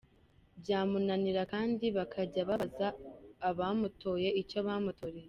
Byamunanira kandi bakajya babaza abamutoye icyo bamutoreye.